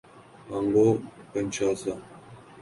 Congo - کنشاسا